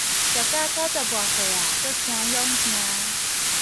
食甲九十外歲矣閣誠勇健